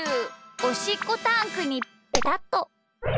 おしっこタンクにペタッと。